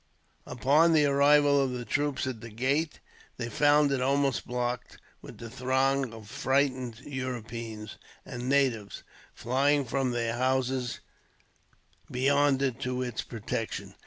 Upon the arrival of the troops at the gate, they found it almost blocked with the throng of frightened Europeans, and natives, flying from their houses beyond it to its protection.